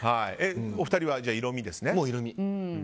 お二人は色味ですね？